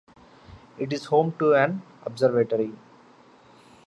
It is home to an observatory.